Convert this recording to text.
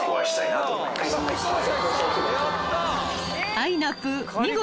［あいなぷぅ見事］